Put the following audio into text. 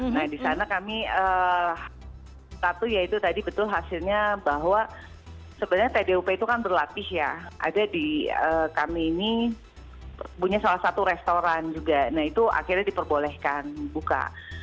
nah di sana kami satu ya itu tadi betul hasilnya bahwa sebenarnya tdup itu kan berlatih ya ada di kami ini punya salah satu restoran juga nah itu akhirnya diperbolehkan buka